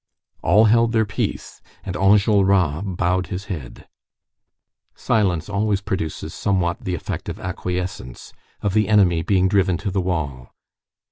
All held their peace, and Enjolras bowed his head. Silence always produces somewhat the effect of acquiescence, of the enemy being driven to the wall.